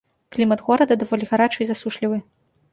Клімат горада даволі гарачы і засушлівы.